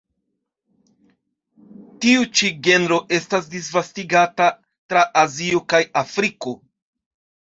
Tiu ĉi genro estas disvastigata tra Azio kaj Afriko.